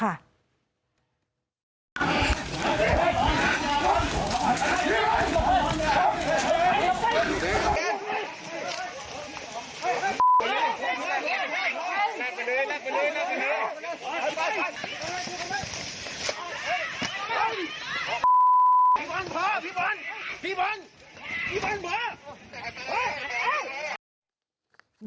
พี่บ่นพอพี่บ่น